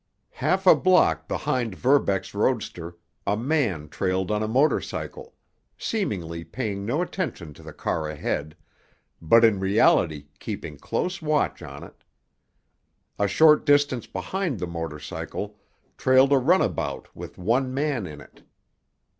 Half a block behind Verbeck's roadster a man trailed on a motor cycle, seemingly paying no attention to the car ahead, but in reality keeping close watch on it. A short distance behind the motor cycle trailed a runabout with one man in it.